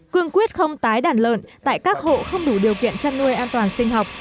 cương quyết không tái đàn lợn tại các hộ không đủ điều kiện chăn nuôi an toàn sinh học